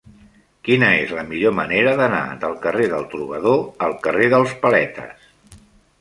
Quina és la millor manera d'anar del carrer del Trobador al carrer dels Paletes?